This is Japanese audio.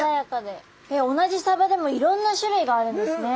同じサバでもいろんな種類があるんですね。